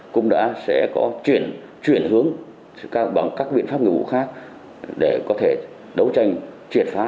cũng đã có chuyển hướng bằng các biện pháp nghiệp vụ khác để có thể đấu tranh triệt phá